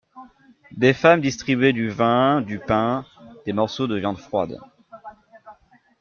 Des femmes distribuaient du vin, du pain, des morceaux de viande froide.